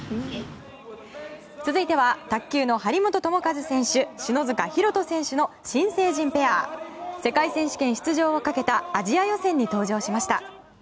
続いては、卓球の張本智和選手篠塚大登選手の、新成人ペア。世界選手権出場をかけたアジア予選に登場しました。